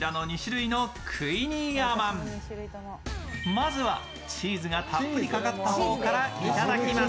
まずは、チーズがたっぷりかかった方からいただきます。